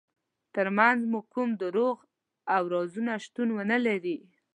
ترمنځ مو کوم دروغ او رازونه شتون ونلري.